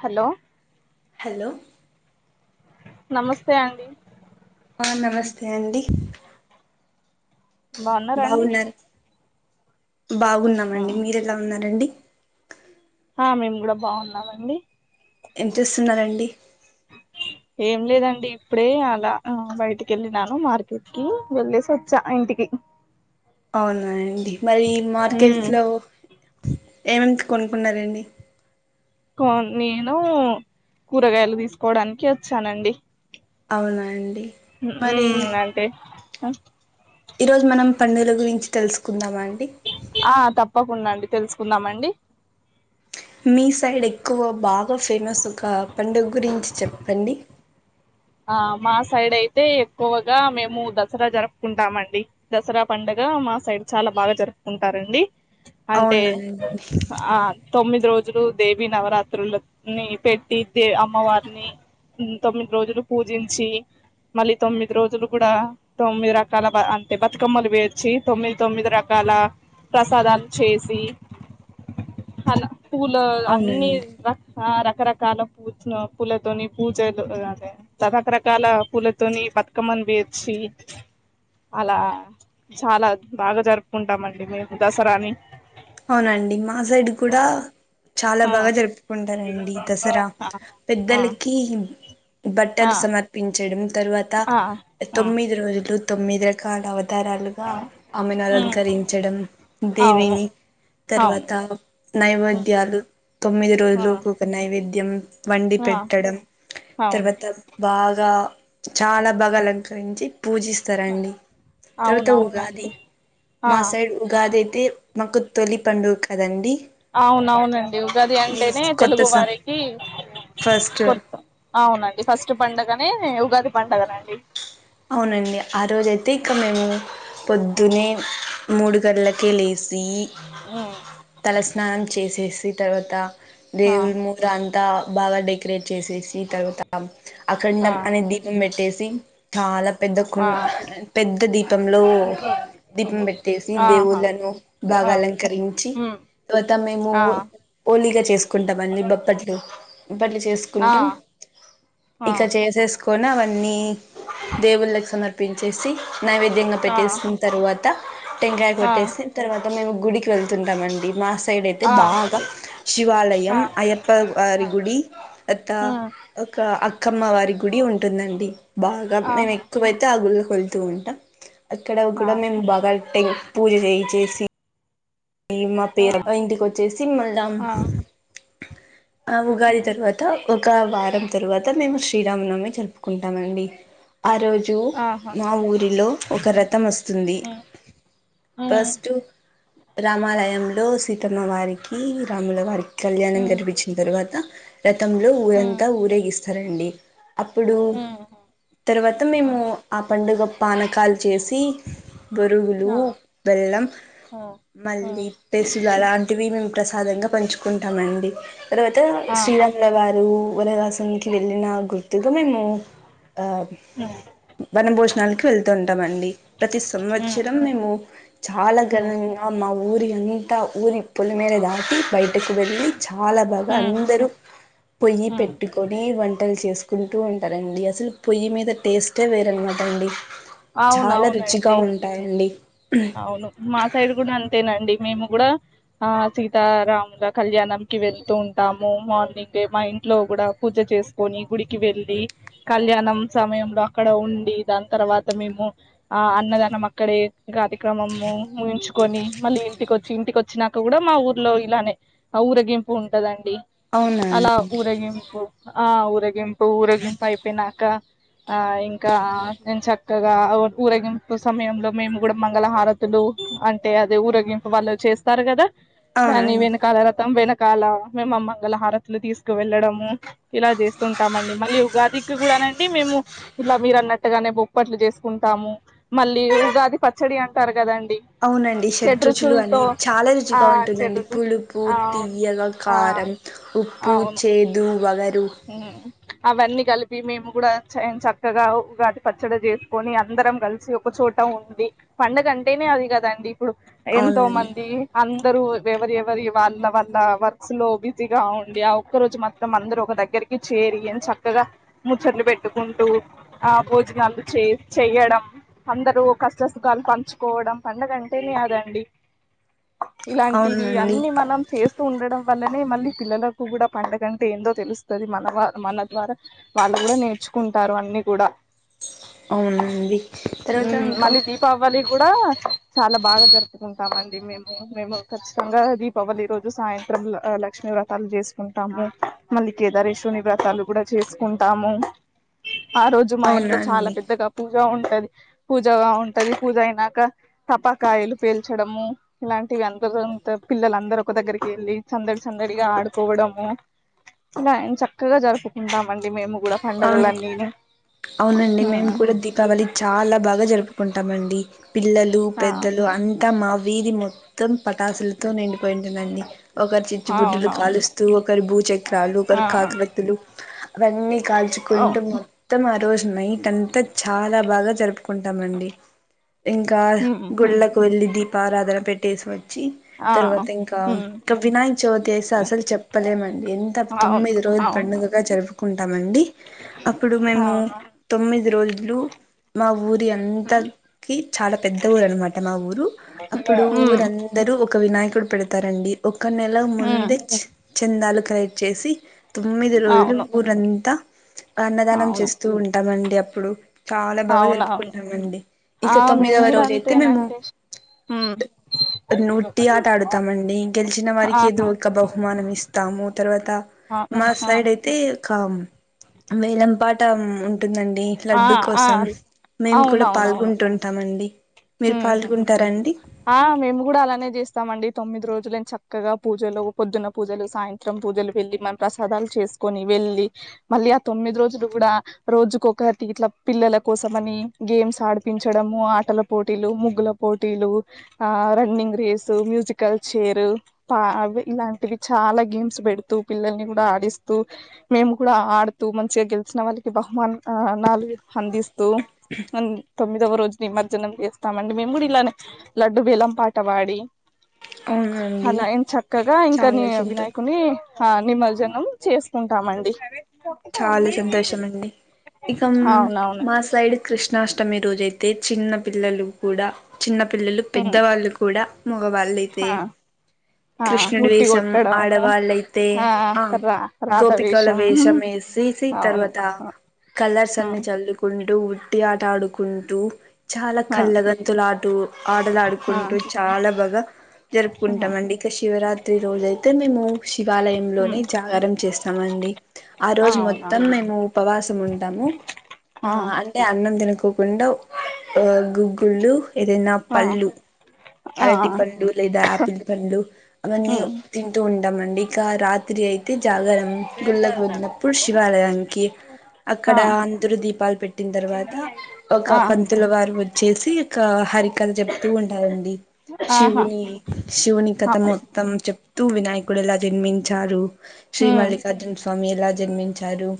Hello hello నమస్తే అండి ఆ నమస్తే అండి బాన్నార అండి బాగున్నారు బాగున్నామండి మీరెలా ఉన్నారండి హా మేమ్ గూడా బావున్నామండి ఏం చేస్తున్నరండి ఏం లేదండి ఇప్పుడే అలా ఆ బయటికెళ్ళినాను మార్కెట్ కి వెళ్లేసి వచ్చా ఆ ఇంటి కి అవునా అండి మరి మార్కెట్లో ఏమేమ్ కొనుక్కున్నరండి కొన్ నేనూ కూరగాయలు దీస్కోడానికి వచ్చానండి అవునా అండి హు ఊ అంటే హా ఈ రోజ్ మనం పండుగుల గురించి తెలుసుకుందాంమం ఆ తప్పకుండా అండి తెలుసుకుందామండి మీ సైడెక్కువ బాగా ఫేమస్సొక పండుగ్ గురించి చెప్పండి ఆ మా సైడైతే ఎక్కువగా మేము దసరా జరుపుకుంటామండి దసరా పండగ గా మా సైడ్ చాలా బాగా జరుపుకుంటారండి హంటే అవునండి ఆ తొమ్మిది రో జ్లు దేవి నవరాత్రులు అన్నీ పెట్టి దే అమ్మవార్ని హుమ్ తొమ్మిద్ రోజులు పూజించి మళ్ళీ తొమ్మిది రోజులు గుడా తొమ్మిది రకాల బ అంటే బతుకమ్మలు వేర్చి తొమ్మిది తొమ్మిది రకా లా ప్రసాదాలు చేసి హలొ పూలో అన్నీ అవునండి రక్ హారా రకరకాల పూచ్న పూలతోని పూజలు ఆ అదే రకరకాల పూలతోని బతుకమ్మని బేర్చి అలా చాలా బాగా జరుపుకుంటామండి మేము దసరాని అవునా అండి మా సైడ్డు కూడా చాలా ఆ బాగా జరుపుకుంటరండి దసరా ఆ పెద్దలకి ఆ బట్ బట్టలు సమర్పించడం తర్వాత ఆ ఆ ఆ తొమ్మిది రోజులు తొమ్మిది రకాల వద్ తారాలుగా ఆమెను ఉమ్ అలంకరించడం అవును దేవిని అవును తర్వాత ఉమ్, నైవేద్యాలు తొమ్మిది ఆ రోజులు ఒక్కొక్క నైవేద్యం వండి ఆ పెట్టడం అవును తర్వాత బాగా చాలా ఉమ్, బాగ అలంకరించి పూజిస్తారండి తర్వాత ఉగాది అవునవునండి ఆ మా సైడ్ ఉగాది ఐతే మాకు తొలి పండుగ కదండీ అవునవునండి ఉగాది అంటెనే కొత్త తెలుగు సం వారికి ఫస్ట్ కొత్త అవునండి ఫస్టు పండగనే ఉగాది పండగనండి అవునండి ఆ రోజైతే ఇక్క మేము ఆ పొద్దున్నే మూడు గల్లకే లేసీ ఉమ్ తల స్నానం చేసేసి తర్వాత ఆ దేవుళ్ళ ముందర అంతా బాగా డెకరేట్ చేసేసి తర్వాత ఆ అఖండం అనే దీపం పెట్టేసి చాలా పెద్ద కుం ఆ పెద్ద దీపంలో దీపం పెట్టేసి ఆహా దేవుళ్ళను ఆ బాగా అలంకరించి ఉమ్ తర్వాత మేము ఆ పోలిగా చేసుకుంటామండీ బొబ్బట్లు బొబ్బట్లు ఆ చేసుకుంటాం ఆ ఇక చేసేసుకొని అవన్నీ దేవుళ్ళకి సమర్పించేసి నైవేద్యంగా ఆ పెట్టేసుకున్న తరువాత టెంకాయ ఆ కొట్టేసి తర్వాత మేము గుడికి వెళ్తుంటాంమండి మా సై సైడ్ అయితే ఆ ఆ బాగా శివాలయం ఆ అయ్యప్ప వారి గుడి తర్వాత ఉమ్ ఒక అక్కమ్మ వారి గుడి ఉం టుందండి బాగా మేము ఆహా ఎక్కువైతే ఆ గుళ్ళకి వెళ్తూ ఉంటాం అక్కడ ఆ కుడా మేము బాగా టెం పూజ చేయించేసి ఈ ఆ మాపేరా ఇంటికొచ్చేసి మళ్ల ఆ ఆ ఉగాది ఉమ్ తర్వాత ఒక వారం తరువాత మేము శ్రీరామనవమి జరుపుకుంటామండి. ఆ రోజూ ఆహా మా ఊరిలో ఒక రథం వస్తుంది ఉమ్ ఉమ్ ఫస్ట్ రామాలయంలో సీతమ్మవారికీ, రాములవారి కళ్యాణం ఉమ్ జరిపిచ్చిన తర్వాత రథంలో ఊరంతా ఊరేగిస్థారండి. అప్పుడు ఉమ్ ఉమ్ తర్వాత మేమూ ఉమ్ ఆ పండుగ పానకాలు చేసి బొరుగులూ, ఆ బెల్లం ఆ ఉమ్ మళ్లీ ఉమ్ పెసులు అలాంటివి మేం ప్రసాదం పంచుకుంటామండి, తర్వాతా ఆహా శ్రీరాములవారూ వనవాసం కి వెళ్లిన గుర్తుకు మేం ఆ ఉమ్ వనభోజ వెళ్తుంటామండి ప్రతి ఉమ్ సంవత్సరం మేము చాలా ఉమ్ ఘనంగా ఆ ఊరి అంతా ఊరి పొలిమేర దాటి బై టకు వెళ్ళి చాలా బాగా హ్మ్ అందరూ పొయ్యి హ్మ్ పెట్టుకొనీ వంట టలు చేసుకుంటూ ఉంటారండి అసలు పొయ్యిమీద టేస్టే వేరన్నమాటండి చాలా రుచిగా అవునవునండి ఉంటాయండి. అవును మాసైడ్ గుడా అంతేనండి, మేము గుడా. ఆ సీతారాముల కళ్యాణం కు వెళ్తూంటాము, మార్నింగే మాఇంట్లో గుడా పూజ చేస్కొనీ గుడికి వెళ్లి కళ్యాణం సమయంలో అక్కడ ఉండీ, దాని తర్వాత మేము ఆ అన్నదానం అక్కడే. కార్యక్రమము ముగించుకొని మళ్ళీ ఇంటికొచ్చి ఇంటికొచ్చినాక గుడా మాఊర్లో ఇలానే ఊరేగింపు ఉంటదండి అవునా అలా ఊరేగింపు ఆ ఊరే ఊరేగింపు అయిపోయినాక ఆ ఇంకా ఏం చక్కగా ఊరేగింపు సమయంలో మేము ప్పుడు మంగళ హారతులు అంటే అది ఊరేగింపు వాళ్ళు చేస్తారు కదా దాని అవునండి వెనకాల రతం వెనకాల మేం ఆ మంగళహారతులు తీస్కువెళ్లడమూ. ఇలా చేస్తుంటామండి మళ్ళీ ఉగాది. కి కూడానండి మేము ఇట్ల మీరన్నట్టుగానే బొబ్బట్లు చేసుకుంటాము మళ్ళీ ఉగాది చ్చడి అంటారు కదం అవునండి షడ్రుచులు అనీ చాలా ఆ రుచిగా ఉంటుందండి చెడు పులుపు, ఆ తియ్యగ, కా ఆ రం, ఉప్పు, చేదు, వగర్ ఉమ్ అవన్నీ కలిపి మేం గూడా చ ఎంచెక్కగా ఉగాది పచ్చడ జేసుకొని అందరం కలిసి ఒకచొ చోట ఉండి పండగ అంటేనే అది కదండి ఇప్పుడు అవునండి ఎంతోమంది అం దరూ ఎవరి ఎవరియి వాళ్ళ వాళ్ళ వర్క్స్ లో బిజీగా ఉండి ఆ ఒక్కరోజు మాత్రం అందరూ ఒక దగ్ దగ్గరికి చేరి ఎంచక్కగా ముచ్చట్లు పెట్టుకుంటూ ఆ భోజనాలు చే చెయ్యడ అందరూ కష్టసుఖాలు పంచుకోవడం పండగంటేనే అదండి ఇలాంటివి అవునండి అన్నీ మనం చేస్తూ ఉండడం వల్లనే మళ్ళీ పిల్లలకు గూడా పండగ అంటే ఏందో తెలుస్ తది మన వ మనద్వారా వాళ్లు గుడా నేర్చుకుంటారు అన్నీ గూడా అవునండి తర్వాత ఇంక మళ్ళీ దీపావళి కూడా చాలా బాగా జరుపుకుంటామండి మేము మేము కచ్చితంగా దీపావళి రోజు సాయంత్రంల ఆ లక్ష్మీ వ్రతాలు జేస్కుంటాము మళ్ళి కేదారేషుని వ్రతాలు గుడా చేసుకుటాము ఆరోజు మా ఇంట్లో అవునా చాలా అండి పెద్దగా పూజా ఉం టది పూజగా ఉంటది పూజ అయినాక టపాకాయలు పేల్చడము ఇలాంటివి అంకి ఊరంతా పిల్లలందరూ ఒకదగ్గరికెల్లి సందడి సందడిగా ఆడుకోవడము ఇలా ఎంచక్కగా జరుపుకుంటాం అండి మేము కూడా అవును పండగలన్నీని అవునండి మేం ఉమ్ కూడా దీపావళి చాలా బాగా జరుప్ కుంటామండి పిల్లలు ఆ పెద్దలు అంతా మా వీధి మొత్తం పటాసులతో నిండి పోయింటుందండి ఒకరు చిచ్చుబుడ్డిలు అవునవును కాలుస్తూ ఒకరు భూచక్రాలు ఒకరు ఆ కాక్రొత్తులు అవన్నీ కాల్చుకుంటూ అవును మొత్తం ఆ రోజు నైట్ అంతా చాలా బాగా జరుపు కుంటామండి ఇంకా ఉమ్ ఉమ్ గుళ్ళకు వెళ్ళి దీపారాధన పెట్టేసి వ చ్చి ఆ తర్వాత ఇంకా ఉమ్ వినాయక చవితి అయిసే అసలు చెప్పలేమండి ఎంత అవును తొమ్మిది రో అవును పండుగ గా జరుపు మండి అప్పుడు మేము అవునవును తొమ్మిది రోజులు మా ఊరి అంతా ఉమ్ కి చాలా పెద్ద ఊరు అనమాట మా ఊరు అప్పుడు ఉమ్ ఊరందరూ ఒక వినాయక ప్పుడు పెడతారండి ఒక నెల ఉమ్ ముందే చందాలు కలెక్ట్ చేసి తొమ్మిది రోజులు అవును ఊరంతా అన్నదానం అవును చేస్తూ ఉంటాం అండి అప్పుడు చాలా బాగా అవునవును జరుపుకుంటాం అండి ఆ ఇక మేము తొమ్మిదవ కూడా రోజు అయితే మేము అంతేనండి ఉమ్ ఉట్టి ఆట ఆడుతామండి గెలిచిన వారికి ఏదో ఆహా ఒక బహుమానం ఇస్తా తాము తర్వాత ఆ మా సైడ్ అయితే ఒక వేలం పాటం ఉమ్ టుందండి ఆ లడ్డూ ఆ కోసం మేం కూడా పాల్గొంటుంటానండి హూ హూ హూ ఆ మేము కూడా అలానే చేస్తాం అండి తొమ్మిది రో [inaudible] చక్కగా పూజలు పొద్దున్న పూజలు సాయంత్రం పూజలు వెళ్ళి మనం ప్రసాదాలు చేసుకొని వెళ్ళి మళ్ళీ ఆ తొమ్మిది రోజులు కూడా రోజుకొక టి ఇట్లా పిల్లల కోసం అని గేమ్స్ ఆడిపించ్ టడము ఆటలు పోటీలు ముగ్గుల పోటీలు ఆ రన్నింగ్ రేస్ మ్యూసికల్ చేర్ పా ఆ ఇవి ఇలాంటివి చాలా గేమ్స్ పెడుతూ పిల్లల్ని కూడా ఆడిస్తూ మేము కూడా ఆడుతూ మంచిగా గెలిచిన వాళ్ళకి బహుమాన్ ఆ నాలు అందిస్తూ అన్ తొమ్మిదవ రోజు నిమర్ జనం చేస్తామండి మేము కూడా ఇలానే లడ్డూ వేలం పాట పాడి అవునండి అలా ఏం చక్కగా ఇంక నీ చాలా సంతో వినాయకుని ఆ నిమర్జనం చేసుకుంటాం అండి చాలా సంతోషం అండి ఇకం మా అవునవునండి సైడ్ కృష్ణాష్టమి రోజై తే చిన్న పిల్లలు కూడా చిన్న పిల్లలు ఉమ్ పెద్దవాళ్ళు కూడ మోగవాళ్ళయితే ఆ ఆ కృష్ణుడి ఉట్టి వేషం కొట్టడము ఆడవాళ్ళైతే ఆ రా రాధ గోపికల వేషం వే సి అవును తర్వాత ఆ కలర్స్ అన్ని చల్లుకుం ఉట్టి ఆట ఆడుకుంటూ చాలా ఆ కళ్ళగత్తులు ఆడు ఆటలు ఆ ఆడుకుంటూ చాల బాగా ఆ ఆ, జరుపుకుంటాం అండి అ శివరాత్రి రోజు అయితే మేము శివాలయంలోనే ఉమ్ జాగరం చేస్తామండి ఆ రోజు మొత్తం మేము ఉపవాసం ఉంటాము ఆ అంటే అన్నం తిన ఉండవ్ గుగ్గుళ్ళు ఏదైన ఆ పళ్ళు ఆ అరటి పండు లేద ఆపిల్ పండు అవన్నీ ఉమ్ తింటు ఉంటామండి ఇక రాత్రి అయితే జాగరం గుళ్ళకు వందినప్పుడు శివాలయానికి ఆ అక్కడ అందరు దీపాలు పెట్టిన తర్వాత ఒక ఆ పంతుల వారు వ వచ్చేసి ఒక హరికథ చెప్తూ ఉంటా ఆహా శివుని శివుని ఆ కథ మొత్తం చెప్తూ వినాయకుడు ఎలా జన్మించారు శ్రీ ఉమ్ మల్లికార్జున స్వామి ఎలా జన్మించారు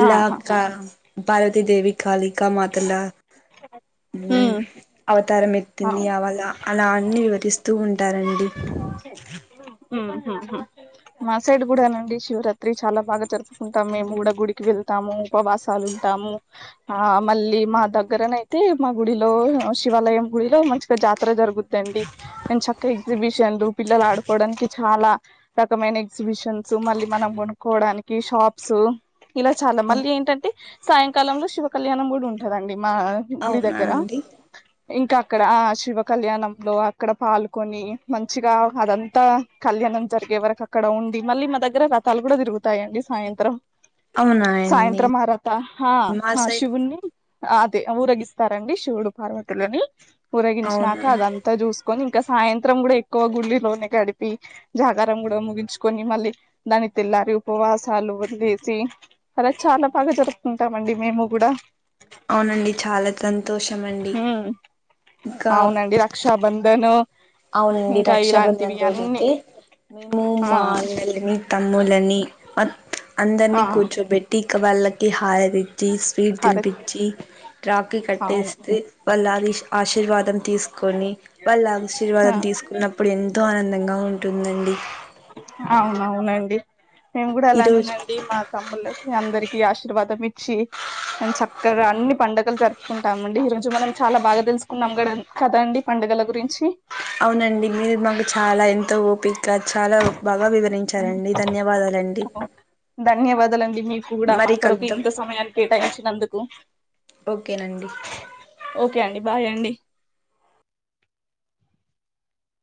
ఎల ఆహా క పార్వతిదేవి కాలిక మాతల ఉమ్ అవతారం ఎత్తింది అవును అవళ అలా అన్ని వివరిస్తూ ఉం టారండి ఉ హు మా సైడ్ కూడానండి శివరాత్రి చాలా బాగా జరుపుకుంటాం మేము కూడ గుడికి వెళ్తాము ఉపవాసాలు టాము ఆ మళ్ళీ మా దగ్గరనయితే మా గుడిలో శివాలయం గుడిలో [unintelligible] జాతర జరుగుద్ది అండి ఎన్ చక్క ఎగ్జిబిషన్లు పిల్లలు ఆడుకోడానికి చాల రకమైన ఎగ్జిబిషన్స్ మళ్ళీ మనం కొనుక్కోవడానికి షాప్స్ ఇలా చాల మళ్ళీ ఏంటంటే సాయంకాలంలో శివ కళ్యాణం కూడ ఉంటదండి మా గుడి అవునా దగ్గర అండి ఇంక అక్కడ శివ కళ్యాణం లో అక్కడ పాలు కొని మంచిగ అదంతా కళ్యాణం జరిగే వరకు అక్కడ ఉండి మళ్ళీ మా దగ్గర వ్రతాలు కూడ తిరు జరుగుతాయండి సాయంత్రం అవునాండి సాయంత్రం ఆరు అవుత మా సైడ్ శివుని అదే ఊరగిస్తారండి శివుడు పార్వతులని ఊరగించినాక అవును అదంత చూసుకొని [unintelligible] సాయంత్రం కూడా ఎక్కువ గులోనే కడిపి జాగారం కూడ ముగించుకొని మళ్ళీ దాని తెలి ఉపవాసాలు వదిలేసి అలా చాల బాగా జరుపుతుంటాం అండి మేము కూడా అవునండి చాల సంతోషమండి అవునండి రక్షాబంధను అవునండి ఇంకా రక్షా ఇలాంటివి బంధంన్ అన్ని రోజైతే మేము ఆ [unintelligible] తమ్ములని అ ఆ అందరినీ కూర్చోబెట్టి ఇక వాళ్ళకి హారతి స్వీట్ కరెక్ట్ తినిపించి రాకీ అవును కట్టేస్తే [unintelligible] ఆశీర్వాదం తీసుకొని వాళ్ళ ఆ ఆశీర్వాదం తీసుకున్నప్పుడు ఎంతో ఆనందంగా ఉంటుందండి అవునవునండి మేము కూడ ఈరోజు అలానేనండి మా తమ్ముళ్లకి అందరికిీ ఆశీర్వాదం ఇచ్చి చక్కగా అన్ని పండుగలు జరుపుకుంటాం అండి ఈ రోజు మనం చాలా బాగా తెలుసుకున్నాం కద కదండి ప పండగల గురించి అవునండి మీరు మాకు చాల ఎంతో ఓపి ఇక చాలా బాగ వివరించారండి ధన్యవాదాలండి ధన్యవాదాలండి మీకు కూడ మా మరి కొరకు కలుద్దాం ఇంత సమయాన్ని కేటాయించినందుకు ఓకేనండి ఓకే అండి బాయ్ అండి